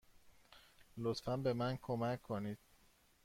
لطفا به من کمک کنید.